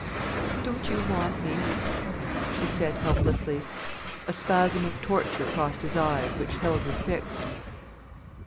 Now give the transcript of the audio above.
"Don't you want me?" she said helplessly. A spasm of torture crossed his eyes, which held her fixed.